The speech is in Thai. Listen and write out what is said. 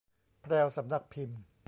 แพรวสำนักพิมพ์